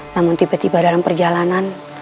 namun tiba tiba dalam perjalanan